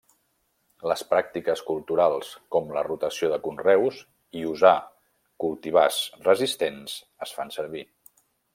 Les pràctiques culturals com la rotació de conreus i usar cultivars resistents, es fan servir.